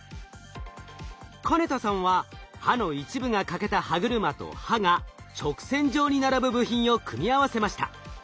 金田さんは歯の一部が欠けた歯車と歯が直線状に並ぶ部品を組み合わせました。